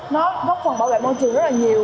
nó góp phần bảo vệ môi trường rất nhiều